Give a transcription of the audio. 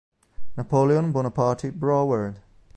Napoleon Bonaparte Broward